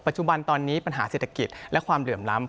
จุบันตอนนี้ปัญหาเศรษฐกิจและความเหลื่อมล้ำ